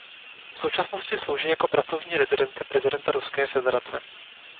V současnosti slouží jako pracovní rezidence prezidenta Ruské federace.